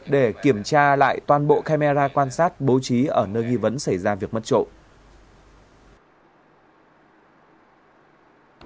để kiểm tra lại toàn bộ camera quan sát bố trí ở nơi nghi vấn xảy ra việc mất trộm